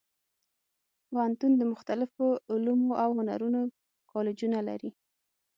پوهنتون د مختلفو علومو او هنرونو کالجونه لري.